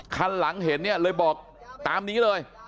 คันหลังเห็นเนี่ยเลยบอกตามนี้เลย